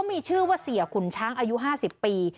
มีชื่อว่าเสียขุนช้างอายุ๕๐ปี